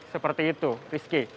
seperti itu rizky